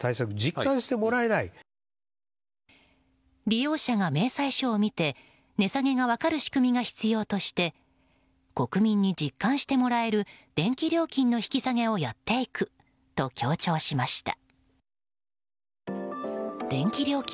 利用者が明細書を見て値下げが分かる仕組みが必要として国民に実感してもらえる電気料金の引き下げをやっていくと強調しました。